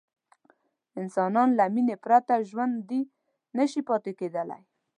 انسانان له مینې پرته ژوندي نه شي پاتې کېدلی.